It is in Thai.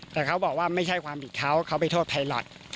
แต่เขาบอกว่าไม่ใช่ความผิดเขาเขาไปโทษไพลอท